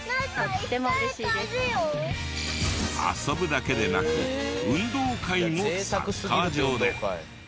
遊ぶだけでなく運動会もサッカー場で。